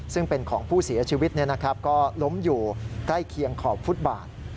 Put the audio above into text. ซึ่งเป็นของผู้เสียชีวิตก็ล้มอยู่ใกล้เคียงขอบฟุตบาท